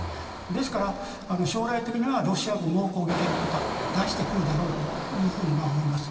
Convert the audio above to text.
ですから、将来的にはロシア軍も攻撃ヘリコプターを出してくるだろうと思います。